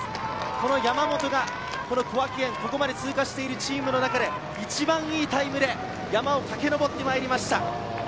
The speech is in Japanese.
山本が小涌園、ここまで通過しているチームの中で一番いいタイムで山をかけ上ってきました。